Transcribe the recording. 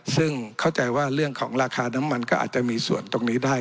ซึ่งเข้าใจว่าเรื่องของราคาน้ำมันก็อาจจะมีส่วนตรงนี้ได้